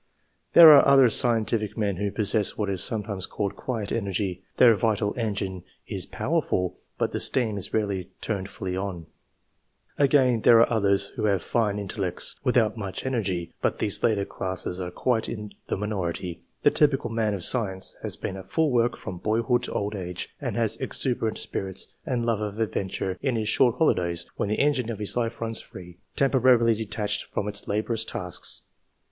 There are other scientific men who possess what is sometimes called quiet energy; their vital engine is powerful, but the steam is rarely turned fully on. Again, there are others who have fine intellects, without much energy ; but these latter classes are quite in the minority. The typical man of science haa been at full work from boyhood to old age, and has exuberant spirits and love of adventure in his short hoUdays, when the engine of his life runs free temporarily detached from its laborious tasks.